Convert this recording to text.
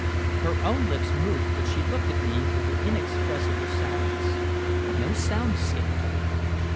Her own lips moved, but she looked at me with an inexpressible sadness. No sound escaped her.